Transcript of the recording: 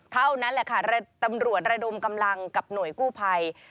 เท่านั้นแหละค่ะตำรวจระดมกำลังกับหน่วยกู้ภัย